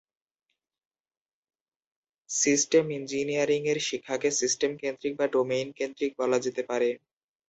System engineering এর শিক্ষাকে "সিস্টেম-কেন্দ্রিক" বা "ডোমেইন-কেন্দ্রিক" বলা যেতে পারে।